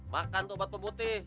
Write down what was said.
makan tuh obat pebutih